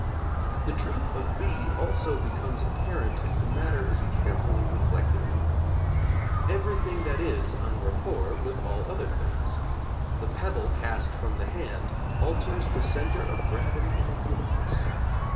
The truth of (b) also becomes apparent if the matter is carefully reflected upon. Everything that is en rapport with all other things: the pebble cast from the hand alters the centre of gravity in the Universe.